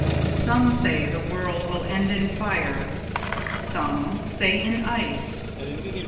SOME say the world will end in fire, Some say in ice.